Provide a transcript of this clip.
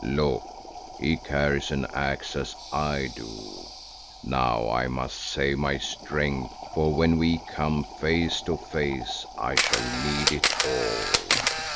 Look! he carries an axe as I do. Now I must save my strength for when we come face to face I shall need it all."